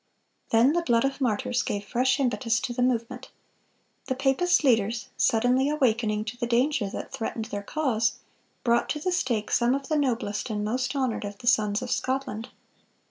Then the blood of martyrs gave fresh impetus to the movement. The papist leaders, suddenly awakening to the danger that threatened their cause, brought to the stake some of the noblest and most honored of the sons of Scotland.